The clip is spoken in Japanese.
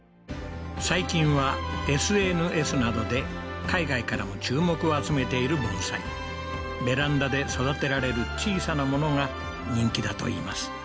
最近はＳＮＳなどで海外からも注目を集めている盆栽ベランダで育てられる小さなものが人気だといいます